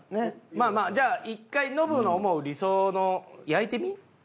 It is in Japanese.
まあまあじゃあ一回ノブの思う理想の焼いてみ？